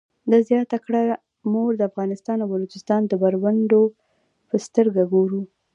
ده زیاته کړه موږ افغانستان او بلوچستان د برنډو په سترګه ګورو.